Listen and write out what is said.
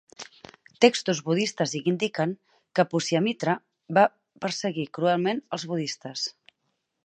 Textos budistes indiquen que Pushyamitra va perseguir cruelment els budistes.